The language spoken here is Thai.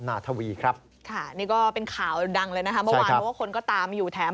นาธาวีครับนี่ก็เป็นข่าวดังเลยนะคะวันก็ก็ตามอยู่แถม